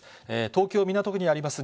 東京・港区にあります